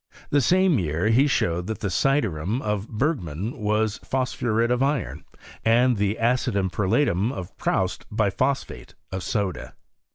The same year he showed that the syderum of Bergman was phosphuret of iron, and the acidum perlatum of Proust biphosphate of soda.